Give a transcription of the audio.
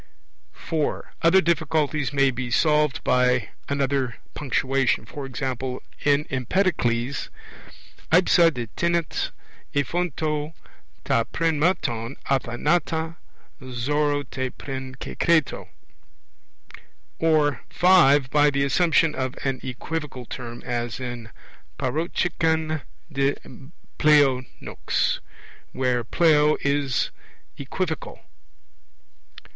(4) Other difficulties may be solved by another punctuation; e.g. in Empedocles, aipsa de thnet ephyonto, ta prin mathon athanata xora te prin kekreto. Or (5) by the assumption of an equivocal term, as in parocheken de pleo nux, where pleo in equivocal.